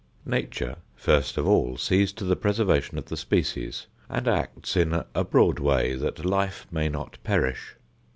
Nature, first of all, sees to the preservation of the species, and acts in a broad way that life may not perish.